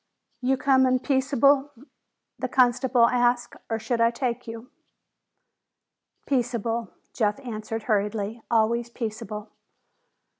"You comin' peaceable?" the constable asked. "Or should I take you!" "Peaceable," Jeff answered hurriedly. "Always peaceable."